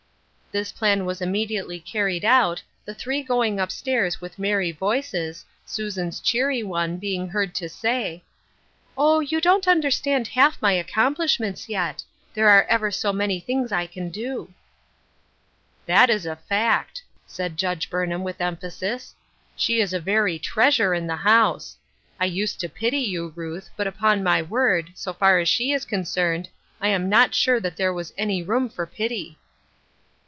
This plan was immediately carried out, the three going up stairs with merry voices, Susan's cheery one being heard to say :" Oh, you don't understand half my accom plishments yet ; there are ever so many things I can do." " That is a fact," said Judge Burnham, with emphasis. " She is a very treasure in the house. I used to pity you, Ruth, but, upon my word, so far as she is concerned, I am not sure that there was any room for pity."